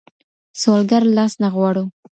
سوالګر لاس نه غواړو.